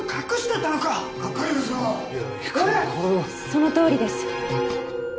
そのとおりです。